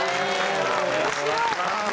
面白い！